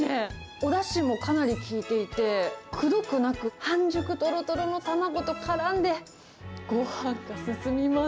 おだしもかなり効いていて、くどくなく、半熟とろとろの卵とからんで、ごはんが進みます。